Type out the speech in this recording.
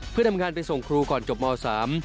เพื่อทำงานไปส่งครูก่อนจบมสาม